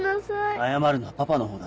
謝るのはパパの方だ。